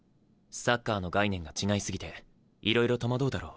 サッカーの概念が違いすぎていろいろ戸惑うだろう。